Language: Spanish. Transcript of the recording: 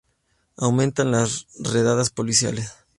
Aumentan las redadas policiales.